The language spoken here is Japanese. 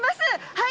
はい！